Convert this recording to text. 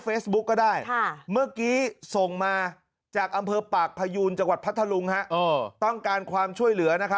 ก็ได้เมื่อกี้ส่งมาจากอำเภอปากพยูนจังหวัดพัทธลุงต้องการความช่วยเหลือ